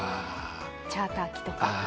チャーター機とか。